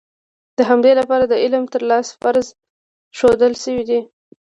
د همدې لپاره د علم ترلاسی فرض ښودل شوی دی.